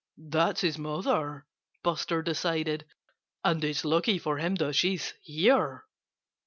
"That's his mother!" Buster decided. "And it's lucky for him that she's here."